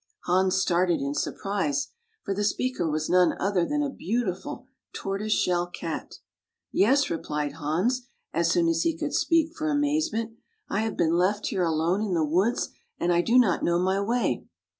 Hans started in surprise, for the speaker was none other than a beautiful Tortoise shell Cat. " Yes," replied Hans, as soon as he could speak for amazement. " I have been left here alone in the woods, and I do not know my way."